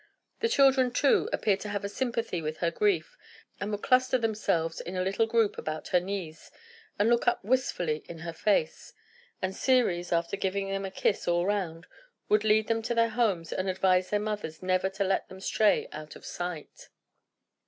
The children, too, appeared to have a sympathy with her grief, and would cluster themselves in a little group about her knees, and look up wistfully in her face; and Ceres, after giving them a kiss all round, would lead them to their homes, and advise their mothers never to let them stray out of sight.